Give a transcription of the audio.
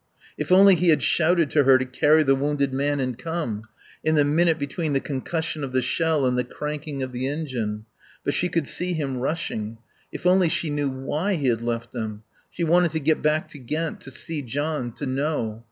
If only he had shouted to her to carry the wounded man and come. In the minute between the concussion of the shell and the cranking of the engine. But she could see him rushing. If only she knew why he had left them.... She wanted to get back to Ghent, to see John, to know.